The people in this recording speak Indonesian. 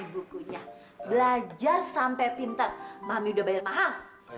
bukunya belajar sampai pinter mahami udah bayar mahal